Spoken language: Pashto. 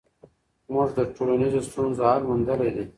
موږ د ټولنیزو ستونزو حل موندلی دی.